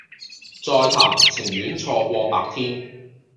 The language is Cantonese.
再談情願錯過白天